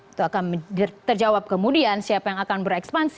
itu akan terjawab kemudian siapa yang akan berekspansi